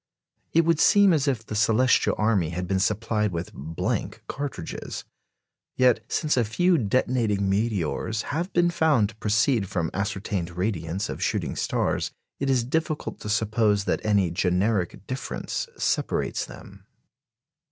It would seem as if the celestial army had been supplied with blank cartridges. Yet, since a few detonating meteors have been found to proceed from ascertained radiants of shooting stars, it is difficult to suppose that any generic difference separates them.